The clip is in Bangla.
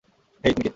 হেই, তুমি কে?